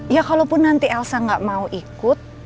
ya kalaupun nanti elsa gak mau ikut